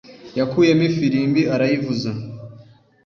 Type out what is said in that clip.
yakuyemo ifirimbi arayivuza.